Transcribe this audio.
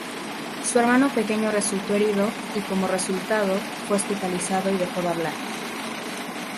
Su hermano pequeño resultó herido y como resultado, fue hospitalizado y dejó de hablar.